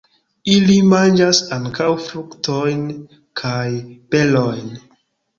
Ili manĝas ankaŭ fruktojn kaj berojn.